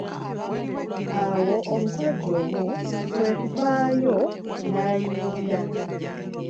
Awo omusajja omu kwekuvaayo n'ayimirira.